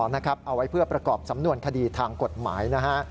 เอาไว้เพื่อประกอบสำนวนคดีทางกฎหมายนะฮะ